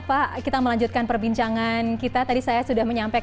pak kita melanjutkan perbincangan kita tadi saya sudah menyampaikan